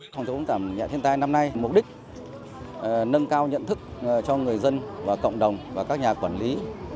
phòng chống giảm nhẹ thiên tai năm nay mục đích nâng cao nhận thức cho người dân và cộng đồng và các nhà quản lý